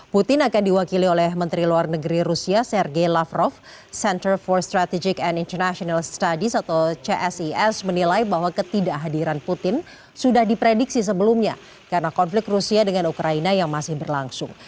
putin akan diwakili oleh menteri luar negeri rusia sergei lavrov center for strategic and international studies atau csis menilai bahwa ketidakhadiran putin sudah diprediksi sebelumnya karena konflik rusia dengan ukraina yang masih berlangsung